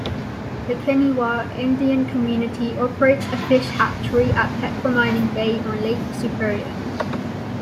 The Keneewaw Indian Community operates a fish hatchery at Pequamining Bay on Lake Superior.